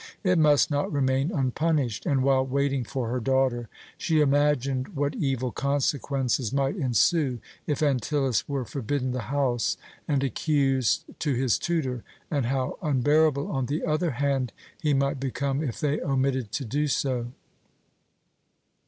It must not remain unpunished, and, while waiting for her daughter, she imagined what evil consequences might ensue if Antyllus were forbidden the house and accused to his tutor, and how unbearable, on the other hand, he might become if they omitted to do so.